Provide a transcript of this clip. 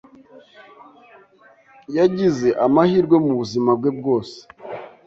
yagize amahirwe mubuzima bwe bwose.